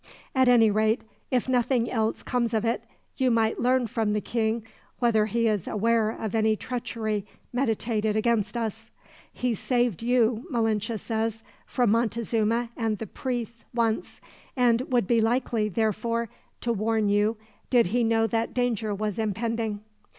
"At any rate, if nothing else comes of it, you might learn from the king whether he is aware of any treachery meditated against us. He saved you, Malinche says, from Montezuma and the priests, once; and would be likely, therefore, to warn you, did he know that danger was impending."